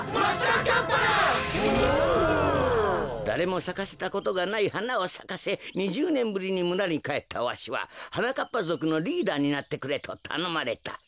だれもさかせたことがないはなをさかせ２０ねんぶりにむらにかえったわしははなかっぱぞくのリーダーになってくれとたのまれた。